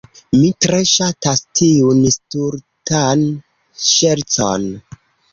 Mi tre ŝatas tiun stultan ŝercon.